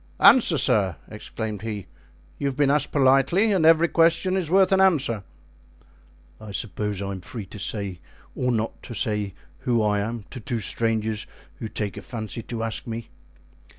"Answer, sir," exclaimed he; "you have been asked politely, and every question is worth an answer." "I suppose I am free to say or not to say who I am to two strangers who take a fancy to ask me."